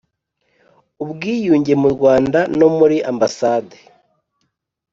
ubwiyunge mu Rwanda no muri Ambasande